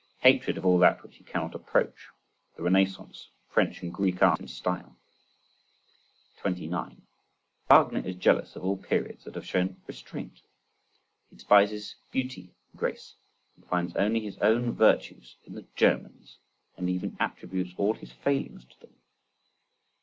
Hatred of all that which he cannot approach, the Renaissance, French and Greek art in style. 29. Wagner is jealous of all periods that have shown restraint: he despises beauty and grace, and finds only his own virtues in the "Germans," and even attributes all his failings to them.